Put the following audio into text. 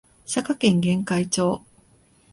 佐賀県玄海町